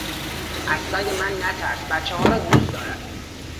از سگ من نترس بچهها را دوست دارد.